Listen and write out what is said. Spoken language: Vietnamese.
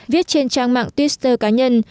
viết trên trang mạng twitter cá nhân